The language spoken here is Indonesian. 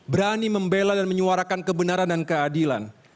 berani membela dan menyuarakan kebenaran dan keadilan